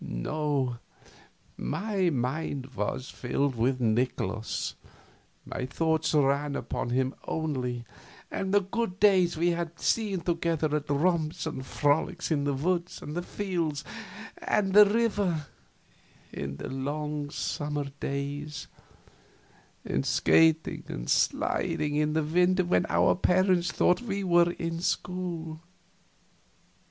No, my mind was filled with Nikolaus, my thoughts ran upon him only, and the good days we had seen together at romps and frolics in the woods and the fields and the river in the long summer days, and skating and sliding in the winter when our parents thought we were in school.